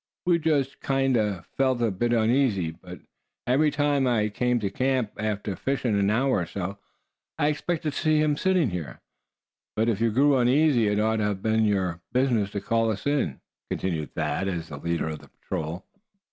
We just kinder felt a bit uneasy, but every time I came to camp after fishin' an hour or so, I expected to see him sitting here." "But if you grew uneasy, it ought to have been your business to call us in?" continued Thad, as the leader of the patrol.